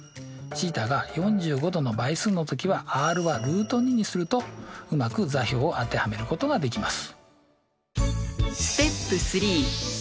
θが４５°の倍数の時はｒはルート２にするとうまく座標を当てはめることができます。